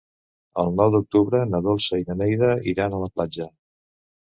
El nou d'octubre na Dolça i na Neida iran a la platja.